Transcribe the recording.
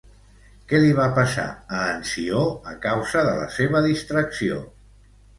Què li va passar a en Ció, a causa de la seva distracció?